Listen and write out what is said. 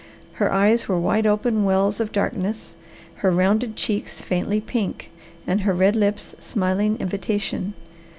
Her eyes were wide open wells of darkness, her rounded cheeks faintly pink, and her red lips smiling invitation.